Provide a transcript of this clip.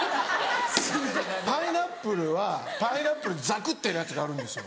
パイナップルはパイナップルザクってやるやつあるんですよ。